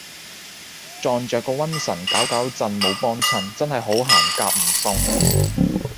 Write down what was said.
撞著個瘟神攪攪震冇幫襯真喺好行夾唔送